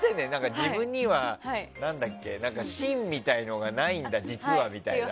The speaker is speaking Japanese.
自分には芯みたいなのがないんだ実はみたいな。